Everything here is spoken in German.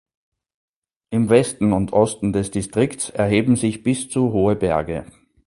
Im Westen und Osten des Distrikts erheben sich bis zu hohe Berge.